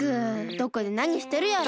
どこでなにしてるやら。